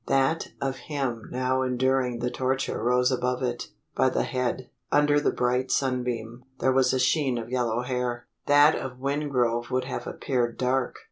That of him now enduring the torture rose above it by the head. Under the bright sunbeam, there was a sheen of yellow hair. That of Wingrove would have appeared dark.